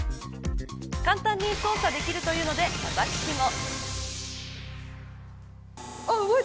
簡単に操作できるというので私も。